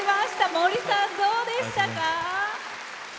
森さん、どうでしたか？